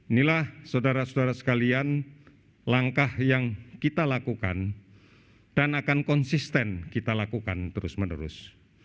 inilah saudara saudara sekalian langkah yang kita lakukan dan akan konsisten kita lakukan terus menerus